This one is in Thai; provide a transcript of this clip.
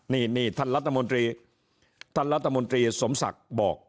นี่นี่ท่านรัฐมนตรีท่านรัฐมนตรีสมศักดิ์บอก